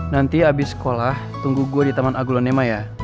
nanti abis sekolah tunggu gue di tempat ini ya mas